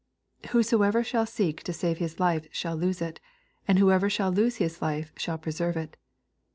88 Whosoever shall seek to save Mb life shall lose it : and whosoever shall lose his life shall preserve it.